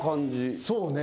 そうね。